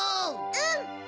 うん！